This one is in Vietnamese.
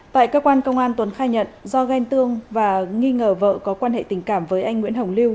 tại cơ quan công an tuấn khai nhận do ghen tương và nghi ngờ vợ có quan hệ tình cảm với anh nguyễn hồng lưu